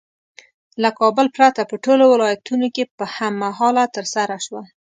له کابل پرته په ټولو ولایتونو کې په هم مهاله ترسره شوه.